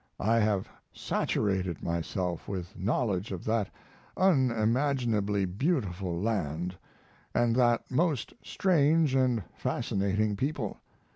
I have saturated myself with knowledge of that unimaginably beautiful land and that most strange and fascinating people.